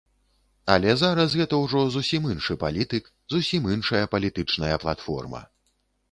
Але зараз гэта ўжо зусім іншы палітык, зусім іншая палітычная платформа.